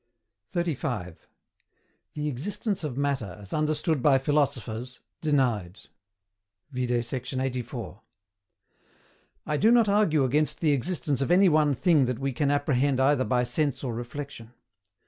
35. THE EXISTENCE OF MATTER, AS UNDERSTOOD BY PHILOSOPHERS, DENIED.[Vide sect. lxxxiv.] I do not argue against the existence of any one thing that we can apprehend either by sense or reflexion.